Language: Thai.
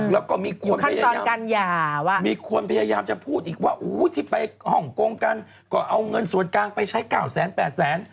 แล้วก็มีคนพยายามจะพูดอีกว่าที่ไปฮ่องกงกันก็เอาเงินส่วนกลางไปใช้๙แสน๘แสน